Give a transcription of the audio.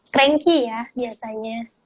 cranky ya biasanya